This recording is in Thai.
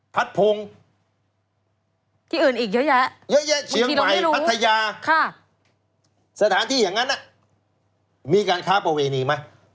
พัดพงศ์เชียงใหม่พัทยาสถานที่อย่างนั้นมีการค้าประเวณีไหม